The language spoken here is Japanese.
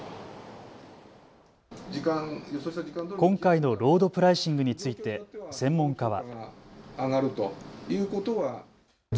今回のロードプライシングについて専門家は。